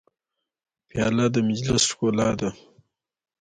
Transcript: پیاله د مجلس ښکلا ده.